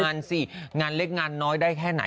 นั่นสิงานเล็กงานน้อยได้แค่ไหน